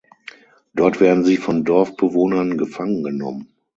Dort werden sie von Dorfbewohnern gefangen genommen.